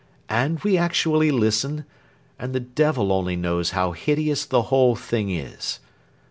And we actually listen and the devil only knows how hideous the whole thing is.